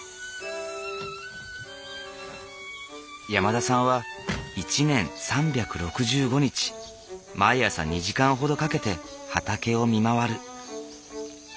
山田さんは１年３６５日毎朝２時間ほどかけて畑を見回る。